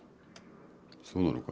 そうなのか？